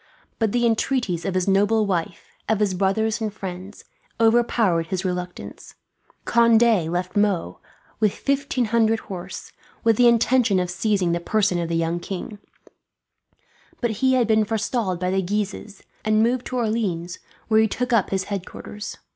But the entreaties of his noble wife, of his brothers and friends, overpowered his reluctance. Conde left Meaux, with fifteen hundred horse, with the intention of seizing the person of the young king; but he had been forestalled by the Guises, and moved to Orleans, where he took up his headquarters.